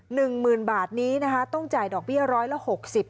หนึ่งหมื่นบาทนี้นะคะต้องจ่ายดอกเบี้ยร้อยละหกสิบ